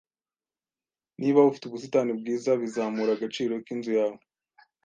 Niba ufite ubusitani bwiza, bizamura agaciro k'inzu yawe